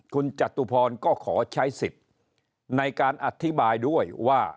คุณจตุพรก็ขอใช้สิทธิ์ในการอธิบายด้วยว่า